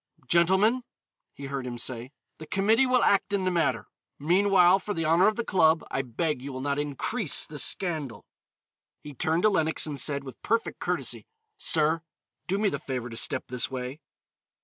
"Gentlemen," he heard him say, "the committee will act in the matter; meanwhile, for the honor of the club, I beg you will not increase the scandal." He turned to Lenox and said, with perfect courtesy, "Sir, do me the favor to step this way."